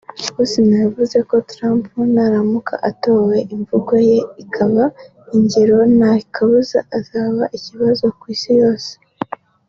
Hussein yavuze ko Trump naramuka atowe imvugo ye ikaba ingiro nta kabuza azaba ikibazo ku isi yose